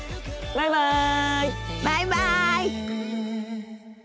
バイバイ。